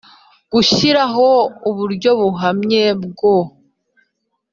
Gushyiraho uburyo buhamye bwo